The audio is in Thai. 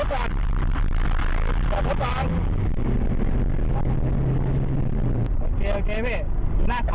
เป็นไรเปล่า